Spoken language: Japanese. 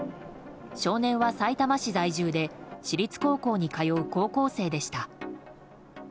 少年は、さいたま市在住で私立高校に通う高校生でした。